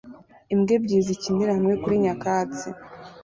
Imbwa ebyiri zikinira hamwe kuri nyakatsi